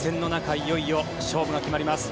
いよいよ勝負が決まります。